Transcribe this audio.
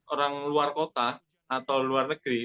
orang luar kota atau luar negeri